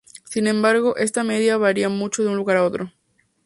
Sin embargo, esta media varía mucho de un lugar a otro.